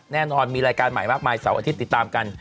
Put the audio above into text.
แน่นอนมีรายการใหม่มากมายเสาร์อาทิตย์ติดตามกัน